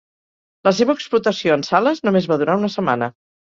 La seva explotació en sales només va durar una setmana.